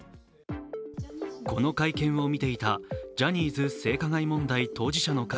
この会見を見ていたジャニーズ性加害問題当事者の会